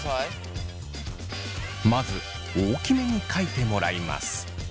まず大きめに書いてもらいます。